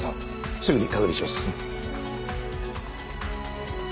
すぐに確認します。